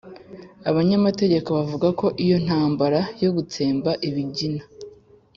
Abanyamateka bavuga ko iyo ntambara yo gutsemba Ibigina